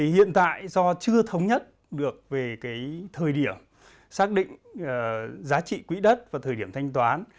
hiện tại do chưa thống nhất được về thời điểm xác định giá trị quỹ đất và thời điểm thanh toán